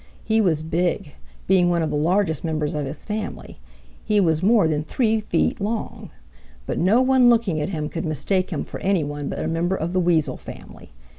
He was big, being one of the largest members of his family. He was more than three feet long. But no one looking at him could mistake him for any one but a member of the Weasel family.